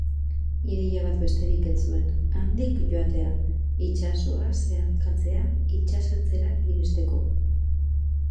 Ideia bat besterik ez zuen, handik joatea, itsasoa zeharkatzea itsasertzera iristeko.